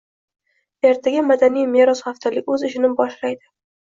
Ertaga Madaniy meros haftaligi o‘z ishini boshlaydi